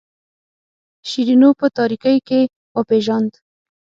شیرینو په تاریکۍ کې وپیژاند.